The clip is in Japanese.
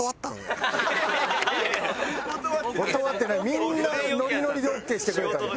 みんなノリノリでオーケーしてくれた。